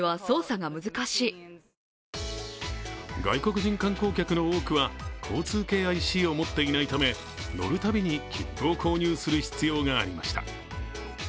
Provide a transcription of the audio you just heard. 外国人観光客の多くは交通系ＩＣを持っていないため、乗るたびに切符を購入する必要がありました。